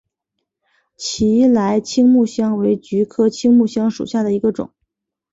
奇莱青木香为菊科青木香属下的一个种。